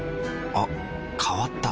あ変わった。